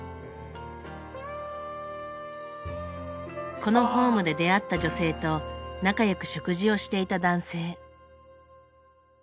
このホームで出会った女性と仲良く食事をしていた男性。